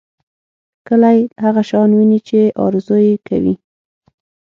کلی هغه شان ويني چې ارزو یې کوي.